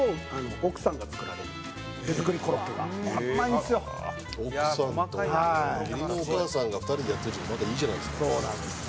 奥さんと義理のお母さんが２人でやってるってまたいいじゃないですか。